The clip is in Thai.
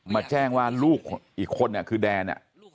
แจ้งว่าลูกอีกคนคือแดน